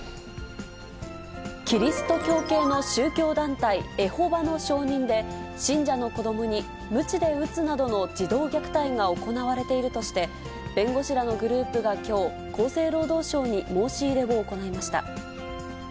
キリスト教系の宗教団体、エホバの証人で、信者の子どもにむちで打つなどの児童虐待が行われているとして、弁護士らのグループがきょう、厚生労働省に申し入れを行いました。